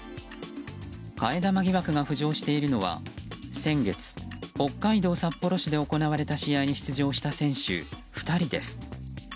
替え玉疑惑が浮上しているのは先月、北海道札幌市で行われた試合に出場した選手２人です。